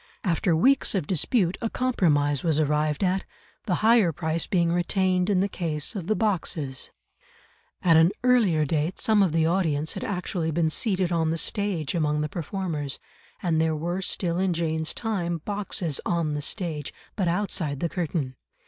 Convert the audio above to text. After weeks of dispute, a compromise was arrived at, the higher price being retained in the case of the boxes. [Illustration: THE LITTLE THEATRE, HAYMARKET] At an earlier date some of the audience had actually been seated on the stage among the performers; and there were still in Jane's time boxes on the stage, but outside the curtain.